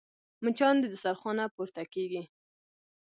مچان د دسترخوان نه پورته کېږي